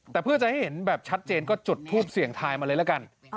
แต่เพื่อจะให้เห็นแบบชัดเจนก็จุดทูปเสี่ยงทายมาเลยละกัน